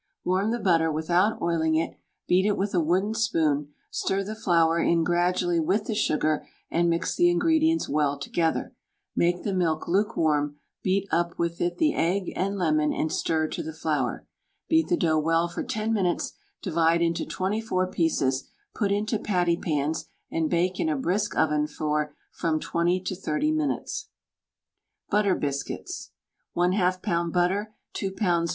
Warm the butter without oiling it, beat it with a wooden spoon, stir the flour in gradually with the sugar, and mix the ingredients well together; make the milk lukewarm, beat up with it the egg and lemon and stir to the flour; beat the dough well for 10 minutes, divide into 24 pieces, put into patty pans, and bake in a brisk oven for from 20 to 30 minutes. BUTTER BISCUITS. 1/2 lb. butter, 2 lbs.